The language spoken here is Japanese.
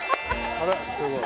あらすごい。